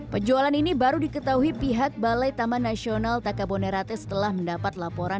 penjualan ini baru diketahui pihak balai taman nasional takabonerate setelah mendapat laporan